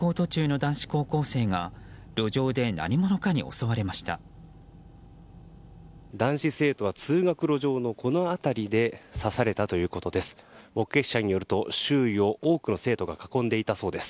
男子生徒は通学路上のこの辺りで刺されたということです。